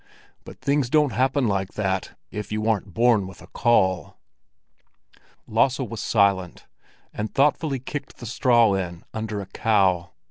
But things don't happen like that—if you aren't born with a caul." Lasse was silent, and thoughtfully kicked the straw in under a cow.